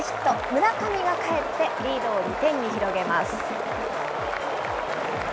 村上がかえってリードを２点に広げます。